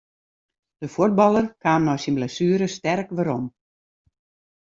De fuotballer kaam nei syn blessuere sterk werom.